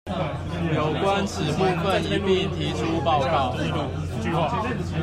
有關此部分一併提出報告